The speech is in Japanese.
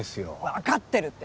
わかってるって。